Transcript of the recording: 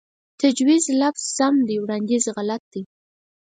تجويز لفظ سم دے وړانديز غلط دے